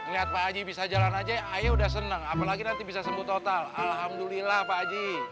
lihat pak haji bisa jalan aja ayo udah seneng apalagi nanti bisa sembuh total alhamdulillah pak haji